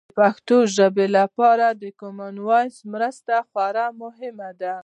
د پښتو ژبې لپاره د کامن وایس مرسته خورا مهمه ده.